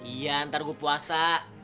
iya ntar gue puasa